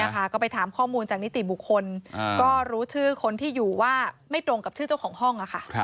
ก็ไปถามข้อมูลจากนิติบุคคลก็รู้ชื่อคนที่อยู่ว่าไม่ตรงกับชื่อเจ้าของห้อง